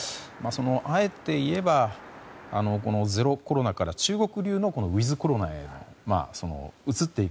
あえて言えばゼロコロナから中国流のウィズコロナへ移っていく。